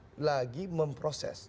pihak kompolisian lagi memprosesi